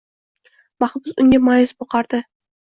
Mahbus unga maʼyus boqardi –